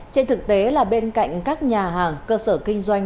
trên thực tế là bên cạnh các nhà hàng cơ sở kinh doanh